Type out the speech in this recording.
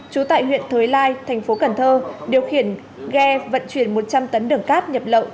trú tại huyện thới lai thành phố cần thơ điều khiển ghe vận chuyển một trăm linh tấn đường cát nhập lậu